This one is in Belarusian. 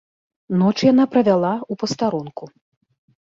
Ноч яна правяла ў пастарунку.